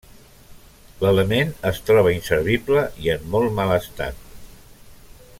L'element es troba inservible i en molt mal estat.